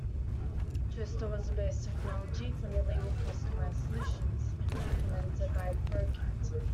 Twister was the base technology for nearly all customized solutions implemented by Brokat.